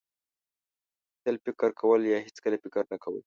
تل فکر کول یا هېڅکله فکر نه کول.